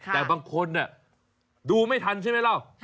แต่บางคนดูไม่ทันใช่ไหมล่ะ